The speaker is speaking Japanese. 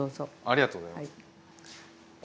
ありがとうございます。